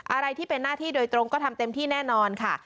อะไรที่เป็นหน้าที่โดยตรงก็ทำเต็มที่แน่นอนค่ะ